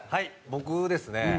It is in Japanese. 僕ですね